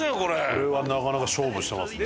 これはなかなか勝負してますね。